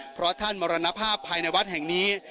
เพราะท่านมรณภาพภายในวัดแห่งนี้